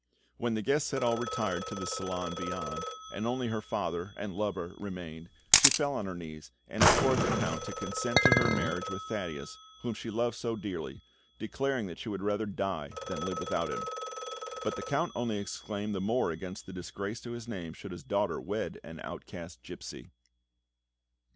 When the guests had all retired to the salon beyond, and only her father and lover remained, she fell on her knees and implored the Count to consent to her marriage with Thaddeus, whom she loved so dearly, declaring that she would rather die than live without him; but the Count only exclaimed the more against the disgrace to his name should his daughter wed an outcast gipsy.